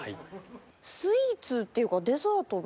スイーツっていうかデザートみたいな？